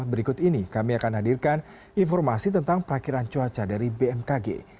berikut ini kami akan hadirkan informasi tentang perakhiran cuaca dari bmkg